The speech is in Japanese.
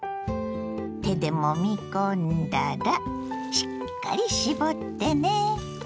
手でもみ込んだらしっかり絞ってね。